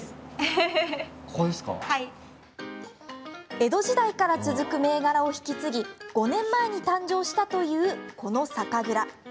江戸時代から続く銘柄を引き継ぎ５年前に誕生したというこの酒蔵。